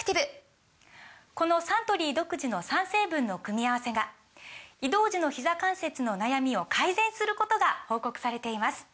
このサントリー独自の３成分の組み合わせが移動時のひざ関節の悩みを改善することが報告されています